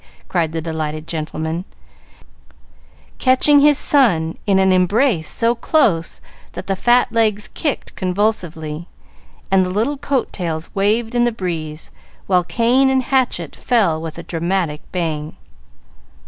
cried the delighted gentleman, catching his son in an embrace so close that the fat legs kicked convulsively, and the little coat tails waved in the breeze, while cane and hatchet fell with a dramatic bang.